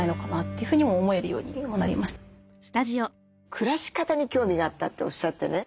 暮らし方に興味があったっておっしゃってね